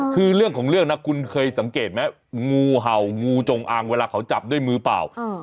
คือเรื่องของเรื่องนะคุณเคยสังเกตไหมงูเห่างูจงอางเวลาเขาจับด้วยมือเปล่า